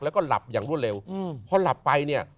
แล้วก็หลับอย่างรวดเร็วพอหลับไปเนี่ย